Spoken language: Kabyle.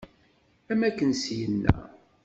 Am akken syinna.